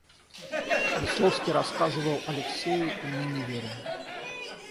Весловский рассказывал Алексею, и мы не верим.